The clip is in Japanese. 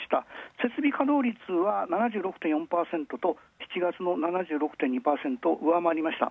設備稼働率は７６．４と７月の７６．２％を上回りました。